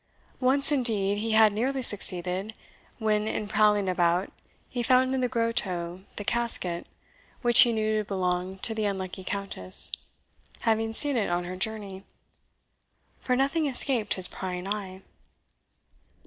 Once, indeed, he had nearly succeeded, when, in prowling about, he found in the grotto the casket, which he knew to belong to the unlucky Countess, having seen it on her journey; for nothing escaped his prying eye.